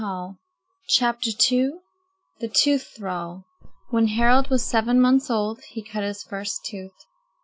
The Tooth Thrall When Harald was seven months old he cut his first tooth.